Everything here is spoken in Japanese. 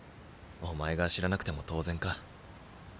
お前が知らなくても当然か。